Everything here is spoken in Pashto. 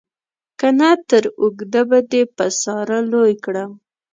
که نه تر اوږده به دې په ساره لوی کړم.